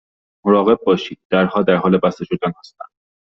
مراقب باشید، درها در حال بسته شدن هستند.